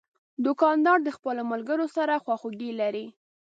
دوکاندار د خپلو ملګرو سره خواخوږي لري.